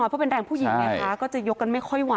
เพราะเป็นแรงผู้หญิงไงคะก็จะยกกันไม่ค่อยไหว